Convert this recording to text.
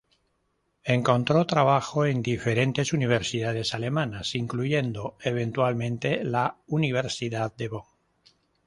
Encontró trabajo en diferentes universidades alemanas, incluyendo eventualmente la Universidad de Bonn.